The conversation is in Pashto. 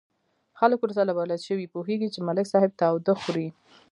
خلک ورسره بلد شوي، پوهېږي چې ملک صاحب تاوده خوري.